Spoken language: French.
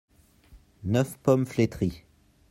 Neuf pommes flétries.